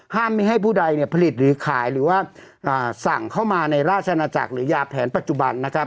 ไม่ให้ผู้ใดเนี่ยผลิตหรือขายหรือว่าสั่งเข้ามาในราชนาจักรหรือยาแผนปัจจุบันนะครับ